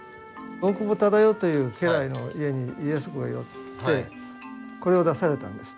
大久保忠世という家来の家に家康公が寄ってこれを出されたんです。